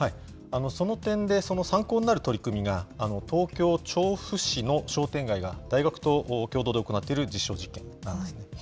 その点で、参考になる取り組みが、東京・調布市の商店街が大学と共同で行っている実証実験なんですね。